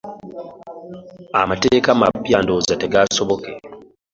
Amateeka amapya ndowooza tegaasoboke.